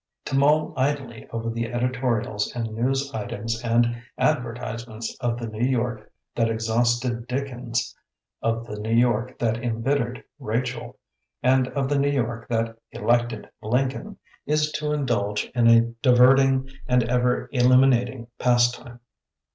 To mull idly over the editorials and news items and advertisements of the New York that exhausted Dickens, of the New York that embittered Rachel, and of the New York that elected Lincoln, is to indulge in a di verting and ever illuminating pastime.